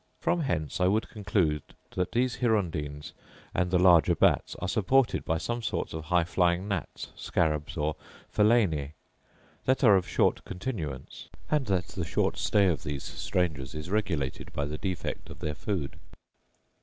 From hence I would conclude that these hirundines, and the larger bats, are supported by some sorts of high flying gnats, scarabs, or phalaenae, that are of short continuance; and that the short stay of these strangers is regulated by the defect of their food.